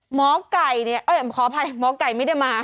หมอไก่เนี่ยขออภัยหมอไก่ไม่ได้มา